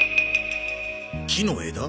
木の枝？